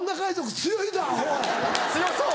強そう。